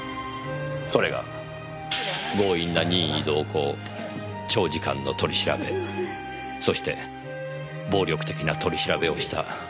それが強引な任意同行長時間の取り調べそして暴力的な取り調べをした言い訳ですか。